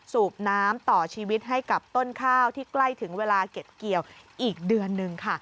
สูบน้ำต่อชีวิตให้กับต้นข้าวที่ใกล้ถึงเวลาเก็บเกี่ยวอีกเดือนหนึ่งค่ะ